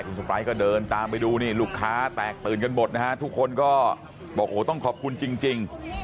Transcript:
คุณสปายก็เดินตามไปดูนี่ลูกค้าแตกตื่นกันหมดนะฮะทุกคนก็บอกโอ้โหต้องขอบคุณจริง